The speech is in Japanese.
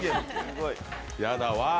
やだわ。